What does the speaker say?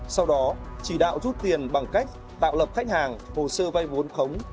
sau đó chỉ đạo rút tiền bằng cách tạo lập khách hàng hồ sơ vay vốn khống